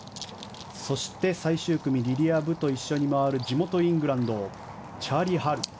そして、最終組リリア・ブと一緒に回る地元イングランドチャーリー・ハル。